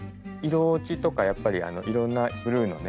色落ちとかやっぱりいろんなブルーのね